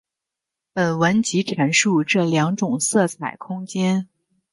本文即阐述这两种色彩空间。